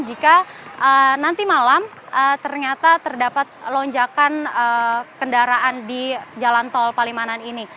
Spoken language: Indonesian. jika nanti malam ternyata terdapat lonjakan kendaraan di jalan tol palimanan ini